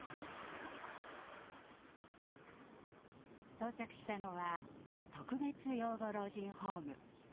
到着したのは特別養護老人ホーム。